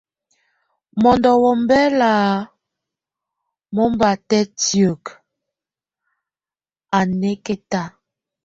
Mondo wombɛla nómbatɛ́ tiek, a nákɛta.